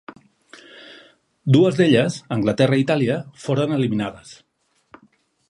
Dues d'elles, Anglaterra i Itàlia, foren eliminades.